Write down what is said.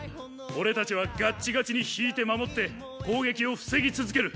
俺たちはガッチガチに引いて守って攻撃を防ぎ続ける！